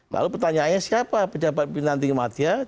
lalu pertanyaannya siapa penjabat pimpinan tinggi masyarakat